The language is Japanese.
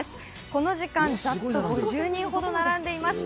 この時間、ざっと５０人ほど並んでいます。